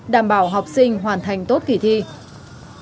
đảm bảo học sinh hoàn thành tốt kỹ thuật